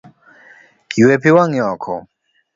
Ywe pi wang'i oko.